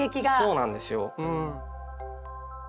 そうなんですようん。